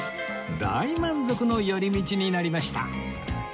大満足の寄り道になりました